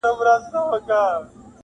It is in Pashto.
• نه یم رسېدلی و سپېڅلي لېونتوب ته زه,